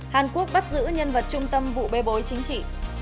hàn quốc bắt giữ nhân vật trung tâm vụ bê bối chính trị